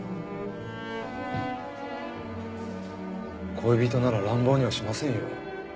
恋人なら乱暴にはしませんよ。